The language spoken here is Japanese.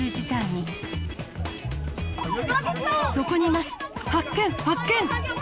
そこにいます、発見、発見！